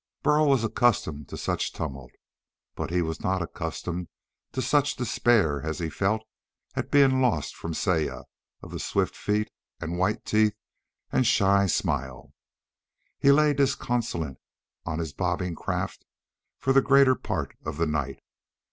Burl was accustomed to such tumult. But he was not accustomed to such despair as he felt at being lost from Saya of the swift feet and white teeth and shy smile. He lay disconsolate on his bobbing craft for the greater part of the night.